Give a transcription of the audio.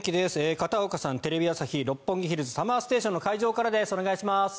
片岡さんテレビ朝日・六本木ヒルズＳＵＭＭＥＲＳＴＡＴＩＯＮの会場からです、お願いします。